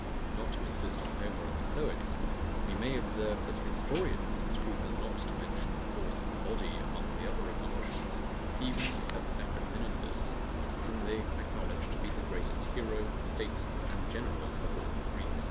Not to insist on Homer and the poets, we may observe, that historians scruple not to mention FORCE OF BODY among the other accomplishments even of Epaminondas, whom they acknowledge to be the greatest hero, statesman, and general of all the Greeks.